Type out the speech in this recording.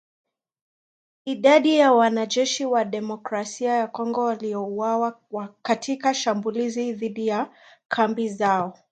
Idadi ya wanajeshi wa Demokrasia ya Kongo waliouawa katika shambulizi dhidi ya kambi zao haijajulikana